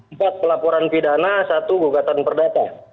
empat pelaporan pidana satu gugatan perdata